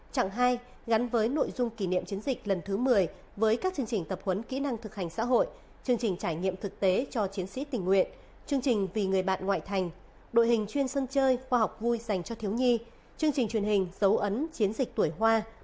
trạng hai gắn với nội dung kỷ niệm chiến dịch lần thứ một mươi với các chương trình tập huấn kỹ năng thực hành xã hội chương trình trải nghiệm thực tế cho chiến sĩ tình nguyện chương trình vì người bạn ngoại thành đội hình chuyên sân chơi khoa học vui dành cho thiếu nhi chương trình truyền hình dấu ấn chiến dịch tuổi hoa